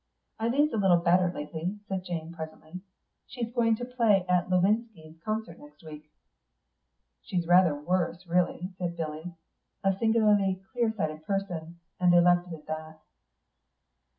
"Eileen's a little better lately," said Jane presently. "She's going to play at Lovinski's concert next week." "She's rather worse really," said Billy, a singularly clear sighted person; and they left it at that.